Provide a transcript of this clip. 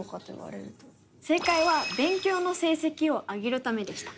正解は勉強の成績を上げるためでした。